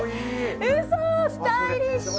ウソスタイリッシュ！